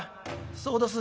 「そうどす。